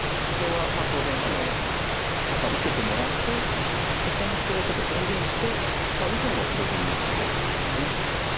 これは当然受けてもらって先手でちょっと制限して右辺を広げにいこうという手です。